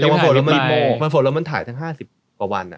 ก็เป็นคนโฝนเราถ่ายทั้ง๕๕วัน